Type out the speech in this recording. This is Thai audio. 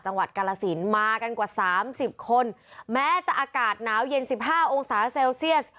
จังหวัดกาลสินมากันกว่า๓๐คนแม้จะอากาศหนาวเย็นสิบห้าองศาเซลเซียส